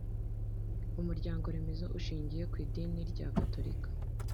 Umuryango remezo ushingiye ku idini rya Gatorika